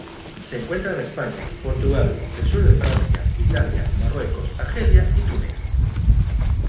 Se encuentra en España, Portugal, el sur de Francia, Italia, Marruecos, Argelia y Túnez.